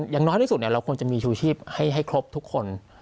อย่างน้อยที่สุดเราควรจะมีชูชีพให้ครบทุกคน